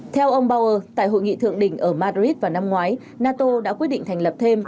theo ông bower tại hội nghị thượng đỉnh ở madrid vào năm ngoái nato đã quyết định thành lập thêm